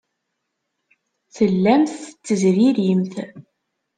Tellamt tettezririmt.